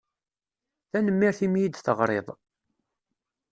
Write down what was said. Tanemmirt i mi yi-d-teɣṛiḍ.